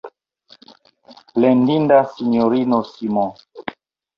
Plendinda S-ino Simons!